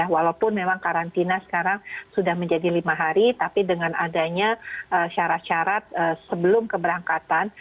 walaupun memang karantina sekarang sudah menjadi lima hari tapi dengan adanya syarat syarat sebelum keberangkatan